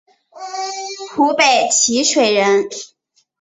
湖北蕲水人。